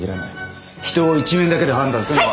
人を一面だけで判断するのは。